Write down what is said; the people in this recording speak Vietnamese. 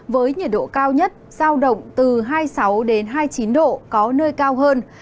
với nhiệt độ cao nhất giao động từ hai mươi sáu hai mươi chín độ có nơi cao hơn